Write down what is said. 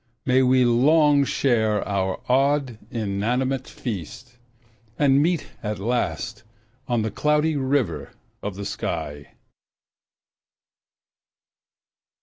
May we long share our odd, inanimate feast, And meet at last on the Cloudy River of the sky.